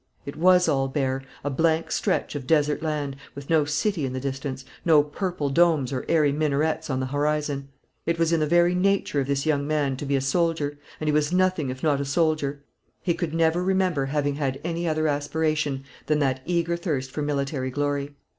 It was all bare, a blank stretch of desert land, with no city in the distance; no purple domes or airy minarets on the horizon. It was in the very nature of this young man to be a soldier; and he was nothing if not a soldier. He could never remember having had any other aspiration than that eager thirst for military glory.